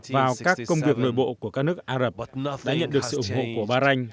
vào các công việc nội bộ của các nước ả rập đã nhận được sự ủng hộ của bahrain